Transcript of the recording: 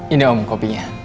ini om kopinya